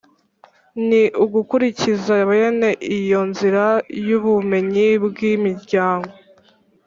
ni ugukurikiza bene iyo nzira y’ubumenyi bw’imiryango,